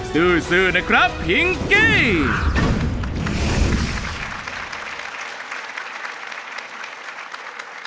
สู้นะครับภิงเกย์